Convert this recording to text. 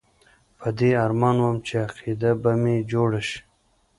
په دې ارمان وم چې عقیده به مې جوړه شي.